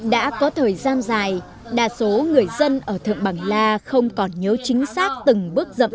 đã có thời gian dài đa số người dân ở thượng bằng la không còn nhớ chính xác từng bước rậm